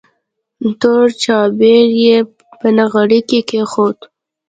تور چایبر یې په نغري کې کېښود.